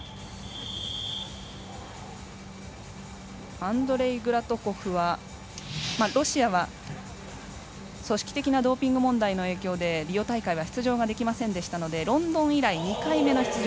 アンドレイ・グラトコフはロシアは組織的なドーピング問題の影響でリオ大会は出場ができませんでしたのでロンドン以来２回目の出場。